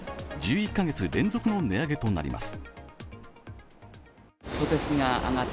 １１カ月連続の値上げとなります。